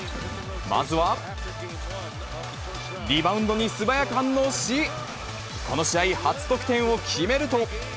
まずはリバウンドに素早く反応し、この試合、初得点を決めると。